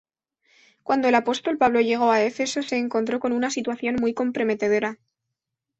Cuando el apóstol Pablo llegó a Éfeso, se encontró con una situación muy comprometedora.